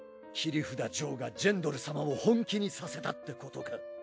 切札ジョーがジェンドル様を本気にさせたってことか。